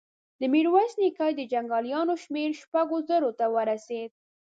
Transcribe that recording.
د ميرويس نيکه د جنګياليو شمېر شپږو زرو ته ورسېد.